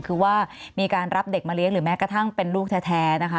คือว่ามีการรับเด็กมาเลี้ยหรือแม้กระทั่งเป็นลูกแท้นะคะ